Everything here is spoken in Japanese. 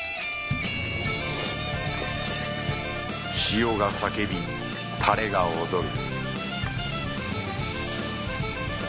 塩が叫びタレが踊る